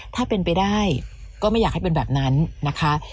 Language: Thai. ถ้าเป็นไปได้ก็ไม่อยากให้เป็นแบบนั้นนะคะ